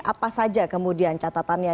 apa saja kemudian catatannya